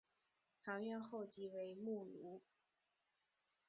堂院后即为墓庐。